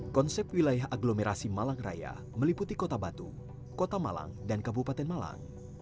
konsep wilayah agglomerasi malang raya meliputi kota batu kota malang dan kabupaten malang